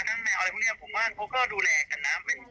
แมวอะไรพวกนี้ผมว่าเขาก็ดูแลกันนะ